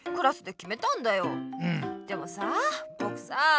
でもさあぼくさあ。